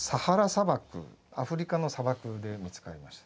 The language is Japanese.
砂漠アフリカの砂漠で見つかりました。